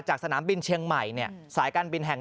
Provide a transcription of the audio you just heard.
จากสนามบินเชียงใหม่สายการบินแห่ง๑